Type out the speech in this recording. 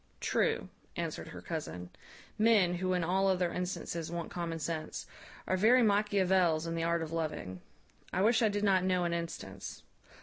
"True," answered her cousin; "men, who in all other instances want common sense, are very Machiavels in the art of loving. I wish I did not know an instance.